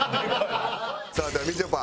さあではみちょぱ。